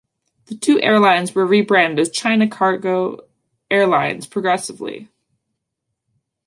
The two airlines were rebranded as China Cargo Airlines progressively.